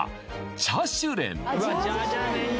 チャシュレン